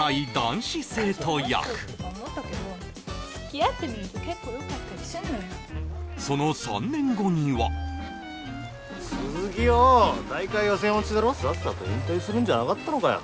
役つきあってみると結構よかったりすんのよその３年後には鈴木よ大会予選落ちだろさっさと引退するんじゃなかったのかよ